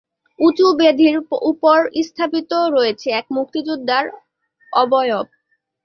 উঁচু বেদির ওপর স্থাপিত রয়েছে এক মুক্তিযোদ্ধার অবয়ব।